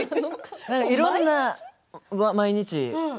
いろんな、毎日。